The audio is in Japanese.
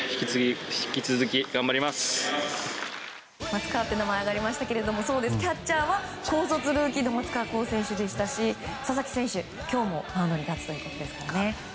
松川っていう名前が挙がりましたがキャッチャーは高卒ルーキーの松川虎生選手でしたし佐々木選手、今日もマウンドに立つということです。